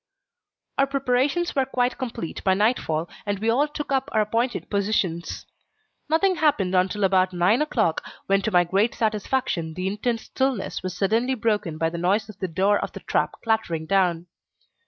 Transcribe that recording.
Our preparations were quite complete by nightfall, and we all took up our appointed positions. Nothing happened until about nine o'clock, when to my great satisfaction the intense stillness was suddenly broken by the noise of the door of the trap clattering down.